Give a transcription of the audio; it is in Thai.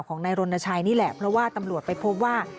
ของนายรณชัยนี่แหละเพราะว่าตำรวจไปพบว่า